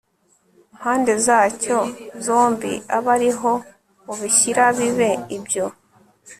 mpande zacyo zombi abe ari ho ubishyira bibe ibyo